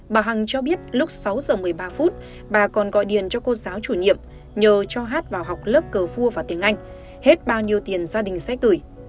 bà hằng cho biết lúc sáu giờ một mươi ba phút bà còn gọi điện cho cô giáo chủ nhiệm nhờ cho hát vào học lớp cờ vua và tiếng anh hết bao nhiêu tiền gia đình sẽ gửi